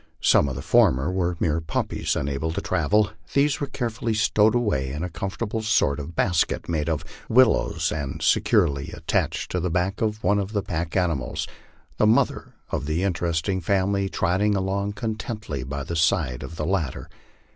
Some of the former were mere puppies, unable to travel ; these were carefully stowed away in a comfortable sort of basket, made of wil lows, and securely attached to the back of one of the pack animals, the mother of the interesting family trotting along contentedly by the side of the latter.